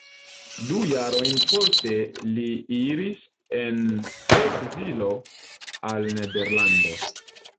Du jarojn poste li iris en ekzilo al Nederlando.